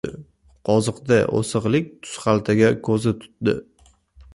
Qoziqda osig‘lik tuzxaltaga ko‘zi tutttdi.